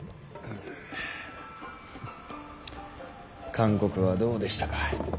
韓国はどうでしたか。